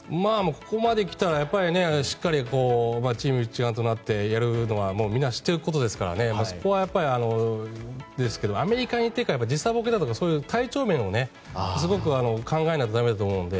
ここまで来たら、しっかりチーム一丸となってやるのはみんな知っていることですからそこはあれですけどアメリカに行ってから実際に僕だとか体調面をすごく考えないと駄目だと思うので。